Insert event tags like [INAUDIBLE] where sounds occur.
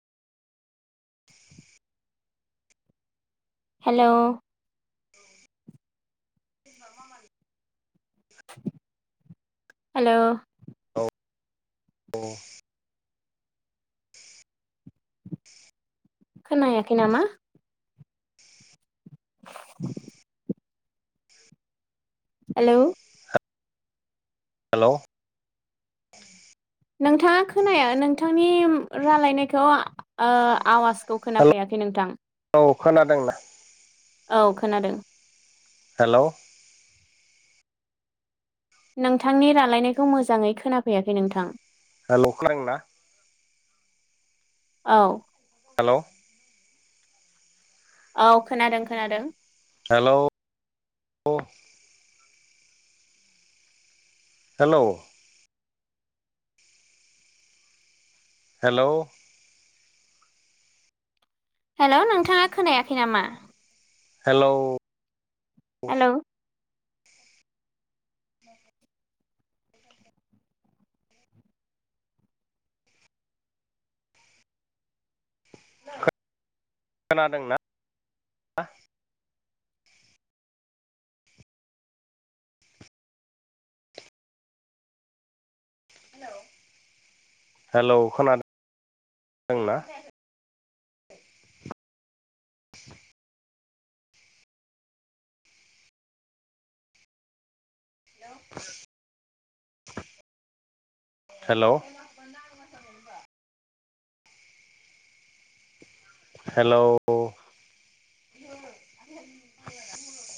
Hello [UNINTELLIGIBLE] hello औ औ खोनायाखै नामा। [INAUDIBLE] हेलौ हेलौ नोंथाङा खोनाया नोंथांनि रालायनायखौ ओ आवाजखौ हेल' खोनाफैयाखै नोंथां औ खोनादोंना औ खोनादों हेलौ नोंथांनि रालायनायखौ मोजाङै खोनाफैयाखै नोंथां हेलौ खोनादोंना औ हेलौ औ खोनादों खोनादों हेलौ औ हेलौ हेलौ हेलौ नोंथाङा खोनायाखैनामा। हेलौ हेलौ खोनादोंना? हेलौ हेलौ खोनादोंना? [INAUDIBLE] Hello hello [UNINTELLIGIBLE] hello